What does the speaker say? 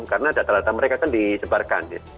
karena data data mereka kan disebarkan